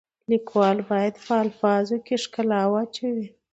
لیکوال باید په الفاظو کې ښکلا واچوي.